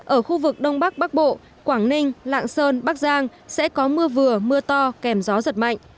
ở khu vực đông bắc bắc bộ quảng ninh lạng sơn bắc giang sẽ có mưa vừa mưa to kèm gió giật mạnh